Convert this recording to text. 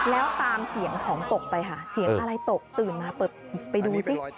แล้วตามเสียงของตกไปค่ะเสียงอะไรตกตื่นมาเปิดไปดูซิ